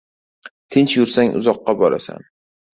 • Tinch yursang uzoqqa borasan.